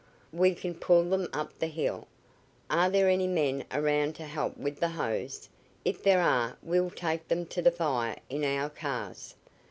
"We can pull them up the hill. Are there any men around to help with the hose? If there are we'll take them to the fire in our cars."